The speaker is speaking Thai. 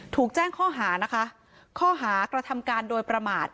ถูกแจ้งข้อหานะคะข้อหากระทำการโดยประมาท